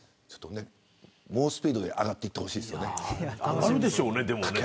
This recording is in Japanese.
猛スピードで上がっていってほしいですね。